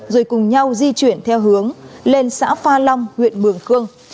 rồi cùng nhau di chuyển theo hướng lên xã pha long huyện mường khương